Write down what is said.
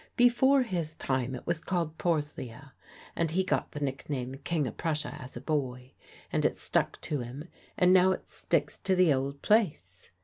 Before his time it was called Porthleah, but he got the nickname "King o' Prussia" as a boy, and it stuck to him, and now it sticks to the old place.